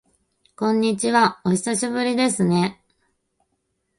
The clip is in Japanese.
こんにちは、お久しぶりですね。